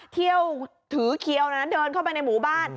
เที่ยวถือเคี้ยวนะเดินเข้าไปในหมู่บ้าน